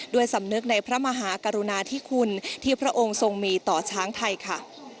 สำนึกในพระมหากรุณาธิคุณที่พระองค์ทรงมีต่อช้างไทยค่ะ